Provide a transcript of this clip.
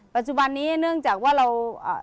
ปัจจุบันนี้เนื่องจากว่าเราอ่า